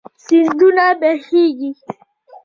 سيندونه بهيږي